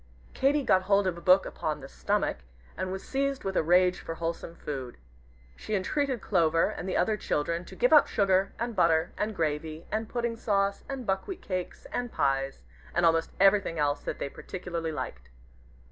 Katy got hold of a book upon "The Stomach," and was seized with a rage for wholesome food. She entreated Clover and the other children to give up sugar, and butter, and gravy, and pudding sauce, and buckwheat cakes, and pies, and almost everything else that they particularly liked.